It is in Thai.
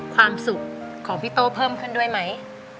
ความสุขของพี่โต้เพิ่มขึ้นด้วยไหม